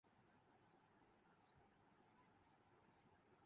کر منظم کرنا شروع کر دیا ہے۔